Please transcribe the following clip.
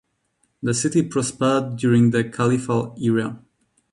The city prospered during the Caliphal era.